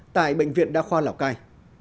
tại bệnh viện đa khoa lào cai